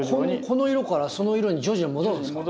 この色からその色に徐々に戻るんですか？